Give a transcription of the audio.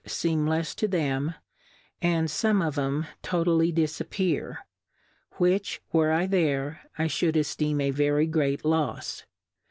loy wife feem lefs to them, and fome of 'em totally diiappear, which, were I there, I fhould efteem a very great lofs.